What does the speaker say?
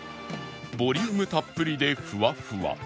ボリュームたっぷりでフワフワ